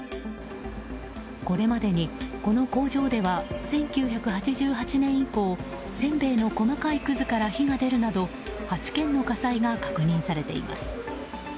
これまでに、この工場では１９８８年以降せんべいの細かいくずから火が出るなど８件の火災が確認されています。